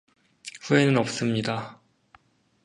후회는 없습니다.